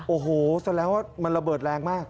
โอ้โหสัญลักษณ์ว่ามันระเบิดแรงมาก